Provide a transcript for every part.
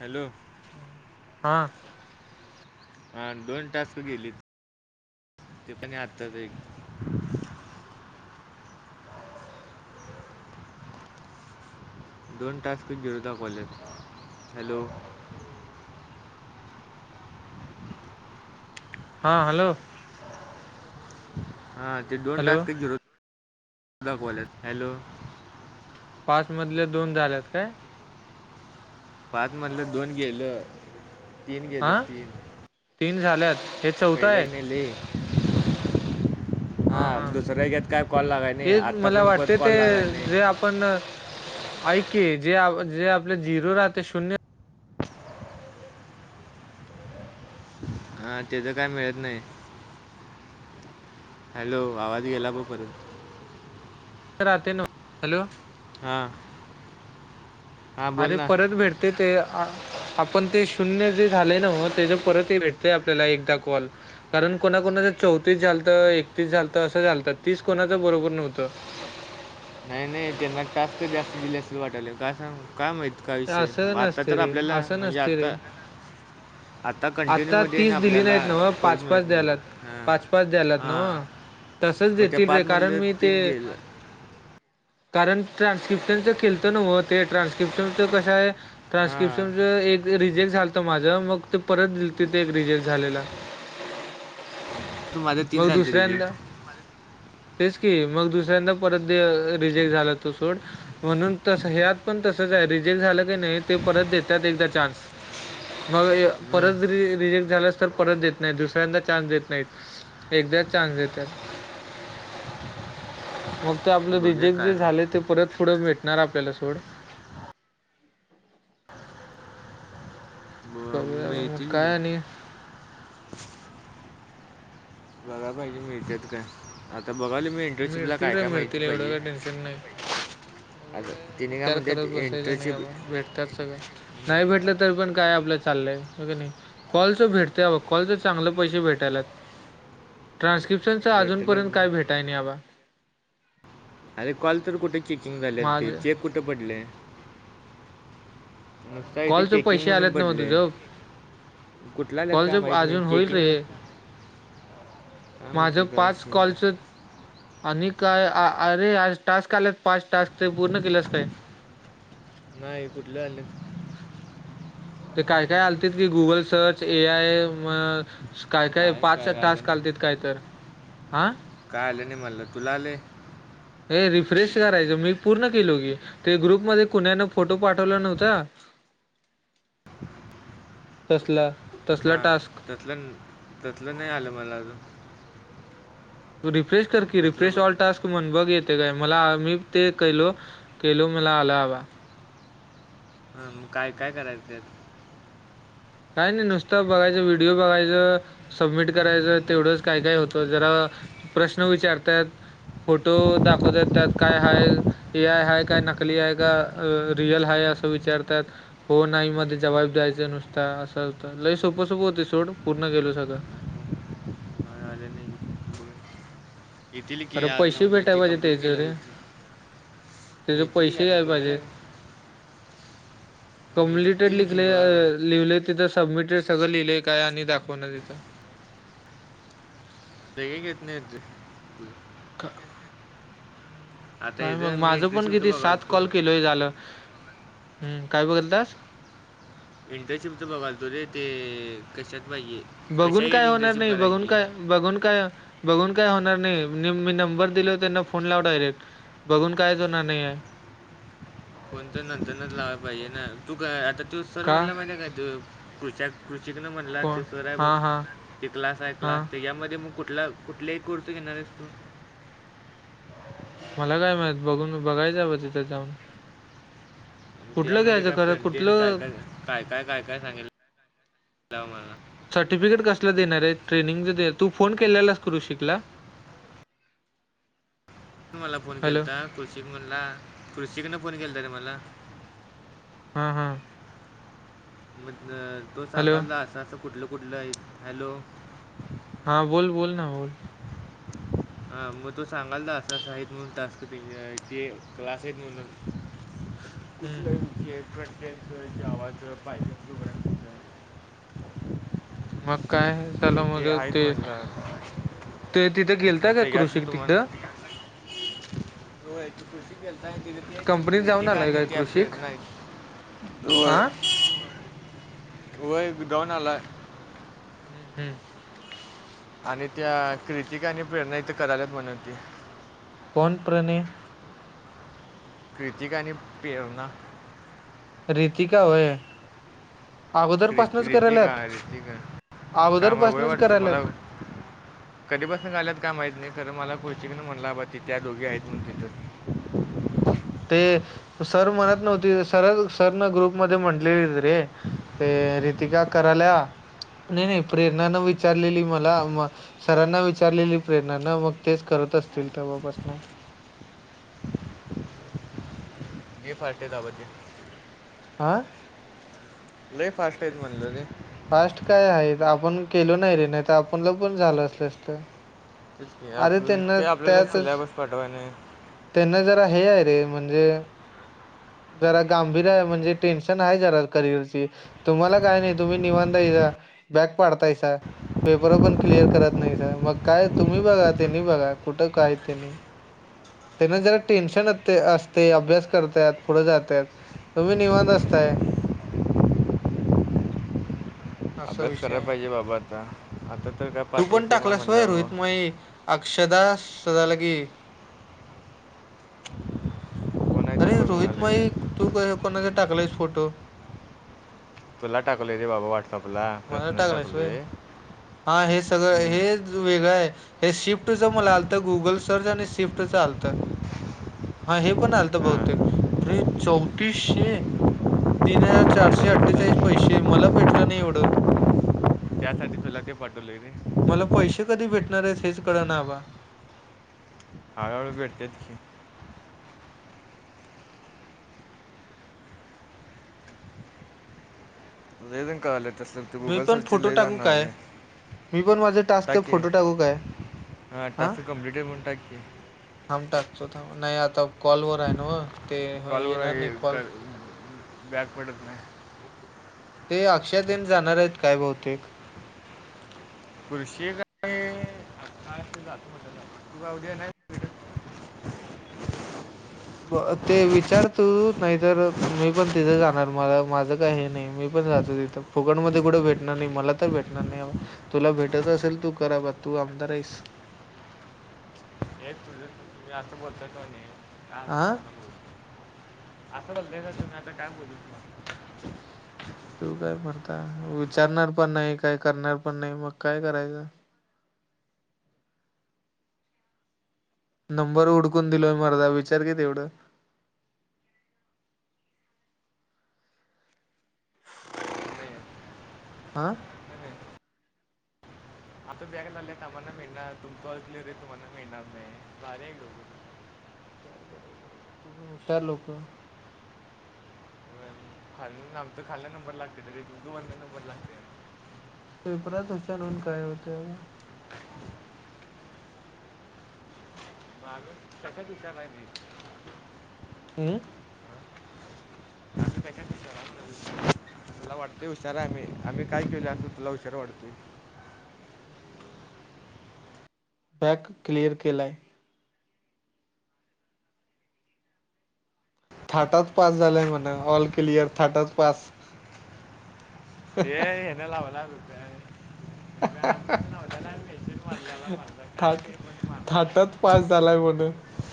Hello हा हा दोन तास गेली ते पणी आच एक दोन टास्कच घेऊता कॉलेज हॅलो हां हॅलो हा ते दोन हॅलो टास का जरो दाखवात हॅलो पाच मधले दोन झाल्यात काय पाच म्हणलं दोन गेलं तीन गेलं हा तीन तीन झाल्यात हे चौथं पहिला आहे क नाहीली हा दुसऱ्या घेत काय कॉल लागाय नाही ते आता मला पण वाटते परत कॉल ते लागाय नाही जे आपण ऐक जे जे आपले झिरोू राहते शून्य हा तेच काय मिळत नाही हॅलो आवाज गेला प पर आते न हॅलो हा अरे परत भेटते ते आपण ते शून्य जे झालेय ना म त्या परत भेटतय आपल्याला एकदा कॉल कारण कोणाकणाचं चौतीस झालतं एकतीस झालतं असं झालतं तीस कोणाच बरोबर नव्हतं नाही नाही त्यांना टास्क जास्त दिल्या अस वाटायला काय सांगू काय माहित का विषय असं आता नसते तर रे आपल्याला असं म्हणजे नसते रे आता आता कंटिन्यू मध्ये ये तीस ना दिली आपल्याला नाहीत नव्ह परत पाच पाच मिळत नाही द्यायलात ह पाच पाच द्यायलात हा नव्ह तसंच म त्या देतील रे पाच कारण मधलं मी ते तीन गेलं कारण ट्रान्स्क्रिप्शनच खलत नव्ह ते ट्रान्स्क्रिप्शनच कशा आहे ट्रान्स्क्रिप्शनच हां एक रिजेक्ट झालंत माझं मग ते परत दि तिथे रिजेक्ट झालेला तू माझ्या तीन मग झालते दुसऱ्यांदा रिजेक्ट तेच की मग दुसऱ्यांदा परत रिजेक्ट झाला तो सोट म्हणून त ह्यात पण तसच रे झाला की नाही ते परत देत एकदा चान्स मग परत रिजेक्ट झालास तर परत देत नाही दुसऱ्यांदा चान्स देत नाहीत एकदा चान्स देतात मग ते आपलं बघूया रिजेक्ट काय जे झाले काय ते परत पुढं भेट णार आपल्याला सोड कब ब- मग मिळतील की काय आणि का आ मिळतील रे मिळतील एवढं का टेन्शन नाही एवढं आता काय तिने विचार म्हणतात करत बसायचा नाही इंटर्नशिप आबा भेटतात सगळं नाही भेटलं तरी पण काय आपलं चाललंय नाही कॉलचं भेटते कॉलचं चांगलं पैसे भेटायला ट्रान्स्क्रिप्शन अजून भेटेलच पर्यंत बघ. काय भेटाय नाही बाबा अरे कॉल तर कुठे चेकिंग झाले ते चेक कुठे पडले नुसता इथे कॉलच चेकिंग पैसे म्हणून आलेत ना म पडले तुझ कुठला आल्यात कॉल काय चे माहीत नाही अजून होईल चेकिंग रे नुसतं काय माहिती माझ काय पाच विषय आहे. कॉलच काय अरे आज टास्क आलेत पाच टास्क ते पूर्ण केलंस काय नाही फुठलं ते काय काय आलत की गुगल सर्च ए आय म काय काय नाही पाच स तास आलं चालत नाही काय तर हा काय आलं नाही मला तुला आले हे रिफ्रेश करायचं मी पूर्ण केलो की ते ग्रुप मध्ये कुण्यान फोटो पाठवला नव्हता हां तसला तसला हा टास्क त्यातलं त्यातलं नाही आलं मला अजून तू रिफ्रेश कर क तसलं रिफ्रेश ब- ऑल टास्क म्हण बघेत ते काय मला मी ते केलो केलो मला आला हवा हा मग काय काय करायचंत काय नाही नुसतं बघायचं व्हिडिओ बघायचं सबमिट करायचं तेवढंच काय काय होतं जरा प्रश्न विचारतात फोटो दाखवतात त्यात काय हाय ए आय हाय काय नकली आहे का रियल हाय विचारतात हो नाही मध्ये जबाब द्यायच नुसत असं होत लई सोपसोप होती सोड पूर्ण गेलो सगळं मला इथली क खरं या न पैसे उ दे ते कंपीड केलावर इेत तचे पैसे आहे पाहिजे मी कमप्लिटेड येतील की लिले बघा बाई लिहिले तिथं सबमिटे सगळं लिहिलंय काय आणि दाखवण तिथं ते का घेत नाही का आता काय मग इथं मी माझ पण इंटर्नशिपचं किती सात बघालतो कॉल केलय झालं हम्म काय बघल तर इंटर्नशिपच बघाल तु रे ते कशात पाहिजे कशा बघून यात काय होणार इंटर्नशिप नाही बघून करायची काय बघून काय बघून काय होणार नाही मी नंबर दिल त्यांना फोन लाव डायरेक्ट बघून कायच होणार नाही आहे [inaudible] कोणत नंतरनच लावायला पाहिजे ना तू का आता तू सर का म्हणला माहितीे काय कृष श म्हणला कोण तो सरय बघ हा हा ते क्लास आहे क्लास हा तर यामध्ये मग कुठ कुठला कुठलाही कुर्त घिणारसतो मला काय माहत बघून बघायचंवं तिथं जाऊन कुठलं त्यामध्ये घ्यायचं काय खरं फ्रंटियर काय कुठलं काय काय काय काय काय सांगेल सर्टिफिकेट कसला देणार आहे ट्रेनिंगचा तू फोन केलेलाच करू शिकला ह मला फोन हॅलो केल तर कृषी म्हणला कृषीकन फोन केलता रे मला हा हां म तो हॅलो सांगाल ना असं असं कुठलं कुठलं आहे हॅलो हा बोल बोल ना बोल हा मग तो सांगाल ना असं आहेत म्हणून तस् ते क्लास आहेत म्हणून ह. हम्म कुठलंट्टे ज आवाज पायकत मग काय? चला मग आहेत ते म्हणलं ते तिथं गेलता काय? कृषी तिथं. हो याची कुशी केताय कंपनीत जाऊन तिची का आलाय काय त्या फेर कृषिक नाहीय. हा वय वय जाऊन आलाय. हम्म हम्म. आणि त्या कृतिक आणि प्रेरणा इथे करायलात म्हण की. कोण प्रणेये? कृतिक आणि पेरणा. रीतिका होय. अगोदर क्रि पासूनच रितिका करायलात? रितिका अगोदर पासूनच करायलात? कधी पसन झाल्यात काय माहित नाही खर मला कुर्चीन म्हणलाबा तिथे दोघी आहेत तिथं. ते सर म्हणत नव्हती सरच सरन ग्रुप मध्ये म्हटलेली रे. ते रितिका कराल्या नाही नाही प्रेरणा न विचारलेली मला म सरांना विचारलेली प्रेरणा ना मग तेच कर असतील तेव्हापासन. [inaudible] ज फाटे द बज आ. लय फास्ट आहे म्हणलं रे. फास्ट काय आहेत आपण केलो नाही रे नाही तर आपणला पण झालं असल असत. तेच की अरे आपलं त्यांना ते आपल्याला त्यातच सिलेबस पाठवाय नाही त्यांना जर आहे. हे अरे म्हणजे. जरा गांभीर आहे, म्हणजे टेन्शन आहे जरा करिअरची तुम्हाला काय नाही तुम्ही निवांत हाय. बॅक पाडत्यायसां, पेपर पण क्लिअर करत नाहीसा, मग काय तूम्ही. बघा त्यांनी बघा कुठं काय त्यांनी? त्यांना जरा टेन्शन असते, अभ्यास करत, पुढे जातात तुम्ही निवांत असता. ते. [inaudible] असा अभ्यास विषय करायला आहे पाहिजे बाबा आता आता तर काय तू पाचवं पण सेम आहे टाकलास होय? म्हणल्यावर रोहित मग मुळे, अक्षदा, सदाला अगे [inaudible] कोण आहे अरे ते बघ रोहित म्हणाले रे नाईक, तू क कोणाचा टाकलायस फोटो? तुला टाकलंय रे बाबा व्हॉट्सॲपला. मला टाकल्यास होय, हा हे सगळं हां हेच वेगळं हाय हे शिफ्टच मला आलत, गुगल सर्च आणि शिफ्टच आलत. हा हे पण आलत बहुतेक अरे चौतीसशे. तीन हजार चारशे त्यासाठी तुला अठ्ठेचाळीस पैसे मला भेटलं नाही एवढं. त्यासाठी तुला ते पाठवलोय रे मला पैसे कधी भेटणार आहेत? हेच कळना बाबा. हळूहळू भेटतात की. लय जण कराल्यात. मी पण फोटो टाकू काय? मी पण माझे टास्कचे फोटो टाकू काय? हा टास्क कंप्लीट आहे म्हणून टाकं की. थांब टाकतो नाही आता कॉलवर आहे नव्ह ते ह येणार नाही कॉल. बॅक पडत नाय. ते अक्षय तेन जाणार आहेत काय बहुतेक. कुर्शी काय का ज तू अी नाही. [inaudible] ते विचारतू नाहीतर मी पण तिथे जाणार मला माझं काही हे नाही मी पण तिथ फुकट कुठे भेटणार नाही मला तर भेटणार नाही तुला भेटत असेल तू करा कमद रेस एकपल तू असं बोलतयतोणे काय हो हा तुम्हाला बोलतो असं बघय का तु मही आता काय बोलू तुला तू काय करता विचारणार पण नाही काय करणार पण नाही मग काय करायचं ह [inaudible] नंबर उडकून दिलोय मरदा विचार कि तेवढं. आणि नाही नाही, आा. नाही. आता बॅक लागलेत आम्हाना मिळणार तुमच ऑल क्लिअर हेत तुम्हाना मिळणार नाही भारी हाय ह [unintelligible] काय करायचं तुम्ही हुशार लोक. व्हय खालून आमच खालन नंबर लागते रे तुमच वरला नंबर लागते. पेपरात हुशार होऊन काय होते बाबा [unintelligible] हमम. आ काय काला [unintelligible] तुला वाटते हुशार आम्ही आम्ही काय केल आस तुला हुशार वाटतेय. [inaudible] बॅक क्लिअर केलाय. थर्टात पास झालाय म्हणा ऑल क्लियर थर्टात पास. हे हेने लावला होता [inaudible] लावलेला पेशंट मारल्याला मारला काय थाट ते पण मारला थाटात पास झालाय म्हण.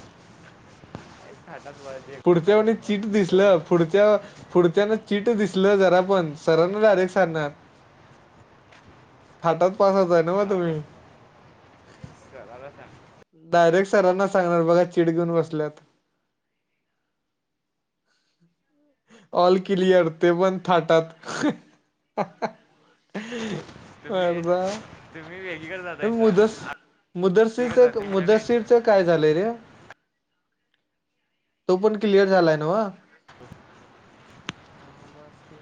काय थाटात. वाढते काय पुढच्या व थाटात चिट वाढते दिसलं ठरत पुढच्या पुढच्यान चिट दिसलं जरा पण सरांना डायरेक्ट सांग णार. थाटात पास हुतंय नवं काला तुम्ही. करायला सांग डायरेक्ट सरांना सांगणार बघा चिड घेऊन बसल्यात. ऑल क्लिअर ते पण थाटात. तुम्ही अर्धा तुम्ही वेगळीकड जातायसा. मुदसीरचे मुदसीरच काय झालंय रे. तो पण क्लिअर झालाय नव्ह. [inaudible] ह बस कि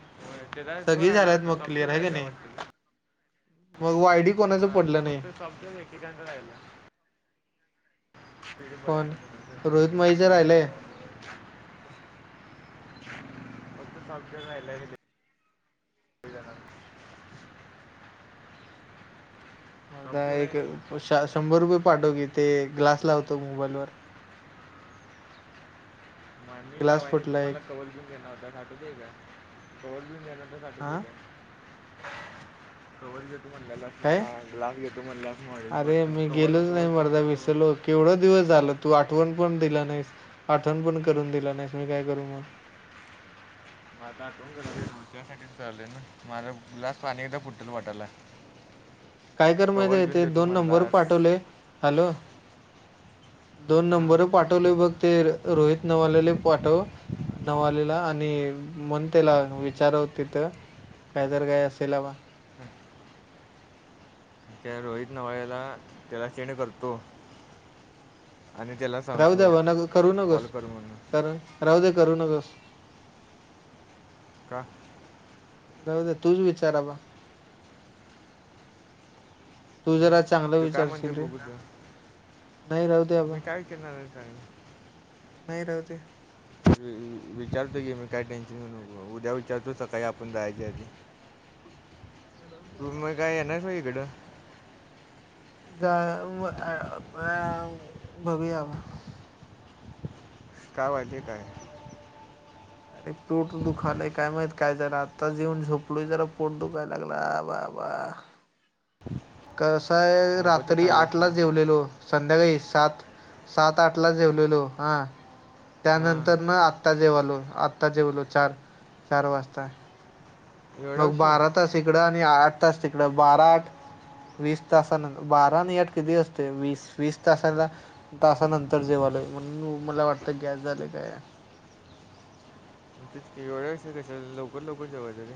त्याला तो सगळी राहिला झाल्यात वाटतं मग क्लिअर सॉफ्टवेअर हाय राहिला किणी. मग वाय डी. हा फक्त [unintelligible] एक एकाचा राहीलय. कोण रोहित माहीच पेड राहिलय [unintelligible] [unintelligible] [inaudible] मरदा सॉफ्टवेअर आहे एक नाही शा शंभर रुपये पाठो की ते ग्लास लावतो मोबाईल वर. म मी ग्लास लावायने तू फुटला एक मला कव्हर घेऊन देणार होतास आठवताय कववर घऊन देणार बघ हा आठवतय काय, कव्हर म्हणल्यालास काय मला ग्लास घेतो अरे म्हणाल्यालास, मी कव्हर गेलोच कव्हर नाही मरदा कोणतं कव्हर. विसरलो केवढा दिवस झालं तू आठवण पण दिला नाहीस आठवण पण करून दिला नाहीस मी काय करू मग. आता आठवन करालय नवं त्यासाठी आलोय ना माझा ग्लास आणि एकदा फुटल वाटला. काय कर माहित तेे दोन नंबर म्हणलास पाठवले हॅलो. दोन हां नंबर पाठवले बघ ते रोहित नवालेले पाठव. नवालेला आणि म्हण त्याला विचारव तिथ. कायतरी काय असेल बा. त्या रोहित नवाळ्याला त्याला सेंड करतो. आणि त्याला राहू द्या सांगतो ब नग करू नकोस. कॉल कर म्हणून राहूदे करू नकोस. का? राहुदे तुच विचार आता. तू हं? जरा चांगलं तो काय म्हणते विचारशील रे. बघू तर नाही राहू दे आबा मी काय विचारणार आहे सांग. नाही राहुदे. [unintelligible] विचारतो की मी काय टेन्शन घेऊ नको, उद्या विचारतो सकाळी आपण जायच्या आधी राहू - - दे आबा तुम्ही काय येणार काय इकडं. जा [unintelligible] बघूया मग. का पाहिजे काय? अरे पोट दुखालाय काय माहित काय झालं आत्ता येऊन झोपलोय जरा पोट दुखायला लागला बा - - आबा. [inaudible] कसय नको ते रात्री आठ खाल्लास ला जेवलेलो संध्याकाळी सात - - सात आठ ला जेवलेलो हा. हां त्यानंतर ना आत्ता जेवालो आत्ता जेवलो चार, चार वाजता. एवढा मग उशीर बारा तास इकडं आणि आठ तास तिकडं बारा आठ - - वीस तासान बारा आणि आठ किती असतयं वीस वीस तासाला तासानंतर जेवण - - म्हणून मला वाटत गॅस झालं काय. तेच की एवढ्या उशीर कशाला लवकर लवकर जेवायचं रे.